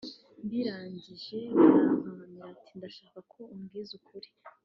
Mbirangije arankankamira ati ‘Ndashaka ko kumbwiza ukuri